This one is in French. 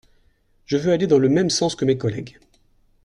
Je veux aller dans le même sens que mes collègues.